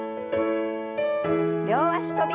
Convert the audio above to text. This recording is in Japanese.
両脚跳び。